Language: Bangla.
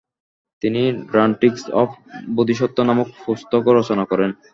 তিনি ড্রাক্ট্রিন্স অফ বোধিসত্ব নামক পুস্তক রচনা করেন।